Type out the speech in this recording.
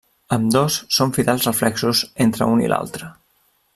Ambdós són fidels reflexos entre un i l'altre.